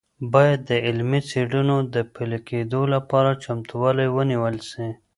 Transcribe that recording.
باید د علمي څیړنو د پلي کيدو لپاره چمتووالی ونیول سي.